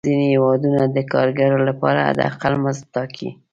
ځینې هېوادونه د کارګرو لپاره حد اقل مزد ټاکي.